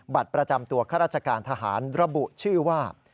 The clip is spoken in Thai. บัตรประจำตัวข้าราชการทหารระบุชื่อว่า